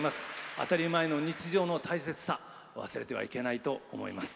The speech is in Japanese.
当たり前の日常の大切さ忘れてはいけないと思います。